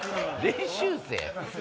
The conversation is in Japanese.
練習生？